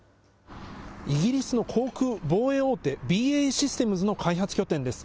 イギリスの航空・防衛大手、ＢＡＥシステムズの開発拠点です。